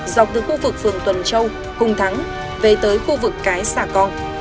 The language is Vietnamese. dọc từ khu vực phường tuần châu cùng thắng về tới khu vực cái xà con